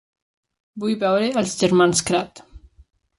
Vull veure Els germans kratt.